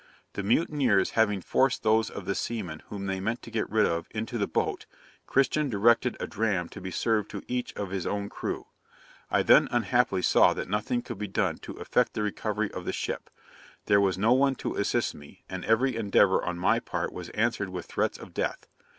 'The mutineers having forced those of the seamen whom they meant to get rid of into the boat, Christian directed a dram to be served to each of his own crew. I then unhappily saw that nothing could be done to effect the recovery of the ship: there was no one to assist me, and every endeavour on my part was answered with threats of death.